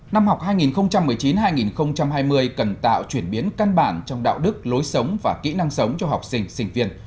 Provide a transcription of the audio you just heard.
năm học hai nghìn một mươi chín hai nghìn hai mươi cần tạo chuyển biến căn bản trong đạo đức lối sống và kỹ năng sống cho học sinh sinh viên